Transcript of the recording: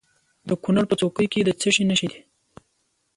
د کونړ په څوکۍ کې د څه شي نښې دي؟